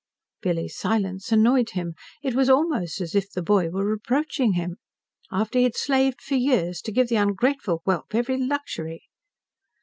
Billy's silence annoyed him. It was almost as if the boy were reproaching him. After he had slaved for years to give the ungrateful whelp every luxury!